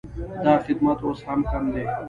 دا خدمت اوس هم کم دی